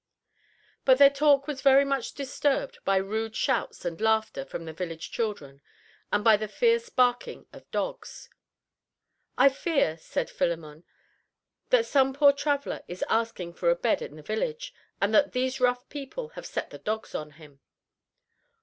But their talk was very much disturbed by rude shouts and laughter from the village children, and by the fierce barking of dogs. "I fear," said Philemon, "that some poor traveler is asking for a bed in the village, and that these rough people have set the dogs on him."